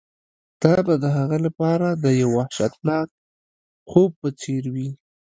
دا به د هغه لپاره د یو وحشتناک خوب په څیر وي